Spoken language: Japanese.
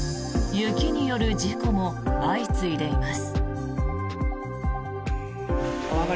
雪による事故も相次いでいます。